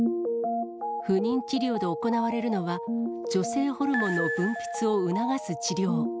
不妊治療で行われるのは、女性ホルモンの分泌を促す治療。